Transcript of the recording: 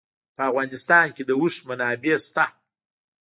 په افغانستان کې د اوښ منابع شته.